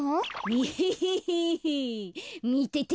エヘヘヘ！みてて。